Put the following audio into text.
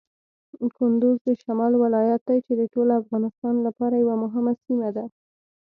کندز د شمال ولایت دی چې د ټول افغانستان لپاره یوه مهمه سیمه ده.